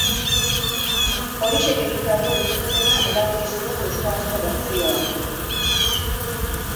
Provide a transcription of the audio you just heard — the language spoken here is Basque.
Orixek egindako itzulpena erabili zuten euskarazko bertsioan.